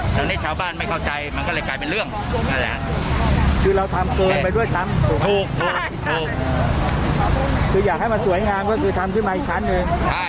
ตอนนี้ชาวบ้านไม่เข้าใจมันก็เลยกลายเป็นเรื่องนั่นแหละคือเราทำโกงไปด้วยซ้ำถูกคืออยากให้มันสวยงามก็คือทำขึ้นมาอีกชั้นหนึ่ง